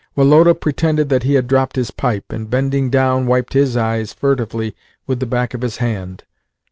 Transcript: Woloda pretended that he had dropped his pipe, and, bending down, wiped his eyes furtively with the back of his hand.